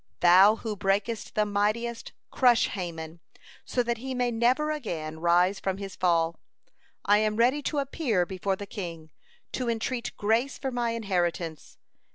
Thou who breakest the mightiest, crush Haman, so that he may never again rise from his fall. I am ready to appear before the king, to entreat grace for my inheritance.